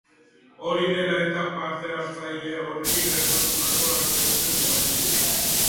Hori dela eta, parte-hartzaile horri gertatutakoa aztertzen ari dira.